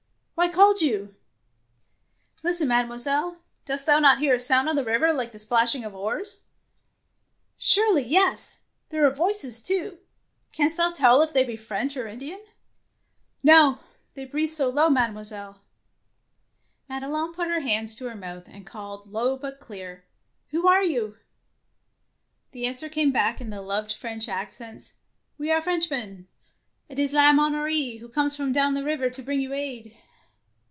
Why called you ?" Listen, Mademoiselle ! Dost thou not hear a sound on the river like the splashing of oars? "'' Surely yes ; there are voices too. Canst thou tell if they be French or Indian? No ; they breathe so low. Mademoi selle.^' 123 DEEDS OF DARING Madelon put her hands to her mouth, and called low but clear, —" Who are you I The answer came back in the loved French accents, — ''We are Frenchmen. It is La Monnerie, who comes from down the river to bring you aid."